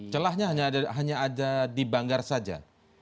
celahnya hanya ada di banggar saja